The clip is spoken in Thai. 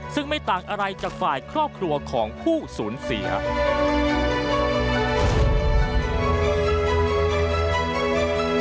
ซึ่งไม่ต่างอะไรจากฝ่ายครอบครัวของผู้ศูนย์ศรีครับ